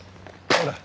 ほら。